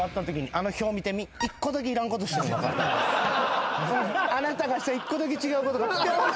あなたがした１個だけ違うことがピョンって。